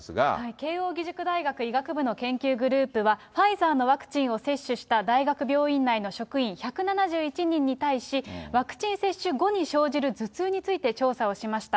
慶應義塾大学医学部の研究グループは、ファイザーのワクチンを接種した大学病院内の職員１７１人に対し、ワクチン接種後に生じる頭痛について調査をしました。